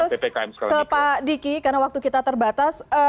baik pak alex saya harus ke pak diki karena waktu kita terbatas